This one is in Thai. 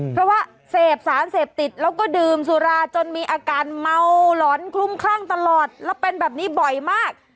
เพราะว่าเสพสารเสพติดแล้วก็ดื่มสุราจนมีอาการเมาหลอนคลุมคลั่งตลอดแล้วเป็นแบบนี้บ่อยมาก